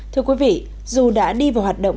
thưa quý vị dù đã đi vào hoạt động